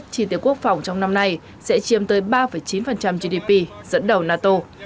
ngân sách chi tiêu quốc phòng trong năm nay sẽ chiêm tới ba chín gdp dẫn đầu nato